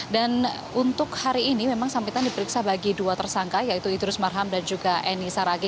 dan untuk hari ini memang samintan diperiksa bagi dua tersangka yaitu idris marham dan juga eni saragi